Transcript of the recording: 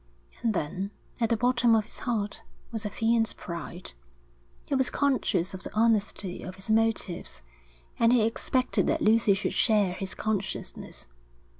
And then, at the bottom of his heart, was a fierce pride. He was conscious of the honesty of his motives, and he expected that Lucy should share his consciousness.